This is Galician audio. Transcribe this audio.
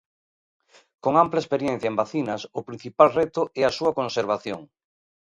Con ampla experiencia en vacinas, o principal reto é a súa conservación.